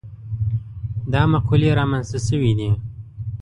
دا مقولې رامنځته شوي دي.